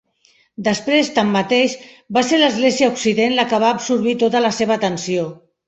Després, tanmateix, va ser l'Església a Occident la que va absorbir tota la seva atenció.